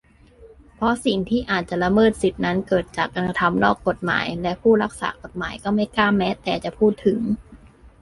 เพราะสิ่งที่อาจละเมิดสิทธินั้นเกิดจากการกระทำนอกกฎหมาย และผู้รักษากฎหมายก็ไม่กล้าแม้แต่จะพูดถึง